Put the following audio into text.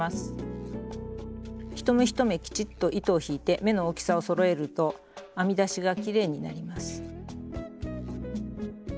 一目一目きちっと糸を引いて目の大きさをそろえると編みだしがきれいになります。